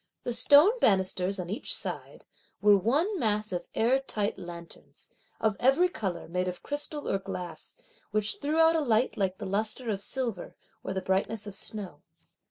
The stone bannisters, on each side, were one mass of air tight lanterns, of every colour, made of crystal or glass, which threw out a light like the lustre of silver or the brightness of snow.